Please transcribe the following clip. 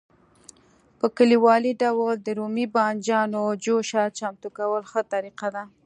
په کلیوالي ډول د رومي بانجانو جوشه چمتو کول ښه طریقه ده.